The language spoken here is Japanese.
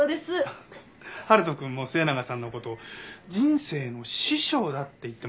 春人くんも末永さんの事「人生の師匠」だって言ってましたよ。